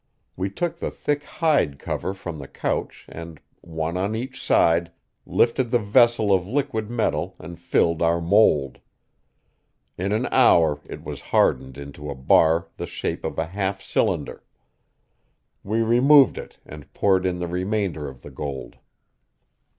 We took the thick hide cover from the couch and, one on each side, lifted the vessel of liquid metal and filled our mold. In an hour it was hardened into a bar the shape of a half cylinder. We removed it and poured in the remainder of the gold.